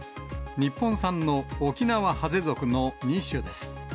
日本産のオキナワハゼ属の２種です。